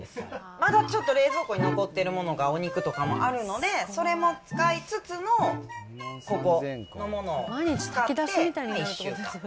まだちょっと、冷蔵庫に残ってるものが、お肉とかもあるので、それも使いつつの、ここのものを使って１週間。